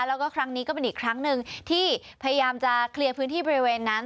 แล้วก็ครั้งนี้ก็เป็นอีกครั้งหนึ่งที่พยายามจะเคลียร์พื้นที่บริเวณนั้น